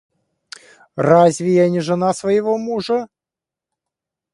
Разве я не жена своего мужа?